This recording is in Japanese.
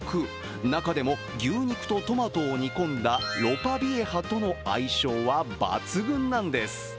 中でも牛肉とトマトを煮込んだロパビエハとの相性は抜群なんです。